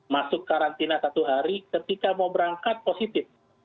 masuk karantina satu hari ketika mau berangkat positif